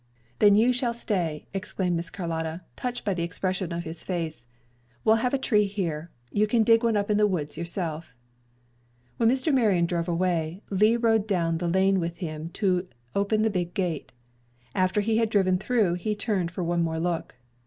"Then you shall stay," exclaimed Miss Carlotta, touched by the expression of his face. "We'll have a tree here. You can dig one up in the woods yourself." When Mr. Marion drove away, Lee rode down the lane with him to open the big gate. After he had driven through he turned for one more look.